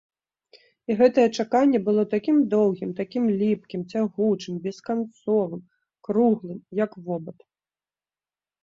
І гэтае чаканне было такім доўгім, такім ліпкім, цягучым, бесканцовым, круглым, як вобад.